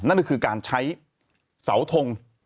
นั่นก็คือการใช้เสาทง